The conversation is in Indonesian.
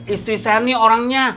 istri saya ini orangnya